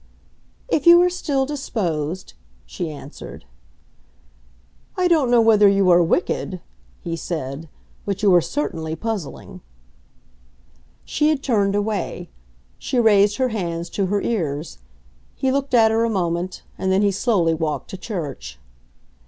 "If you are still disposed," she answered. "I don't know whether you are wicked," he said, "but you are certainly puzzling." She had turned away; she raised her hands to her ears. He looked at her a moment, and then he slowly walked to church.